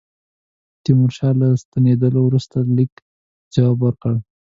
تیمورشاه له ستنېدلو وروسته لیک ته جواب ورکړ.